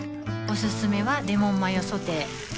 おすすめはレモンマヨソテー